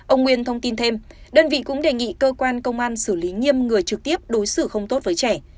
ông nguyên thông tin thêm đơn vị cũng đề nghị cơ quan công an xử lý nghiêm người trực tiếp đối xử không tốt với trẻ